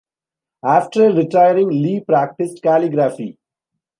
After retiring, Li practiced calligraphy.